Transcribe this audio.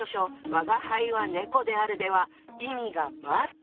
「吾輩は猫である」では意味が全く違うの！